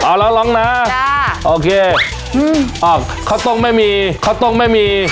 เอาแล้วร้องนะโอเคข้าวต้มไม่มีข้าวต้มไม่มี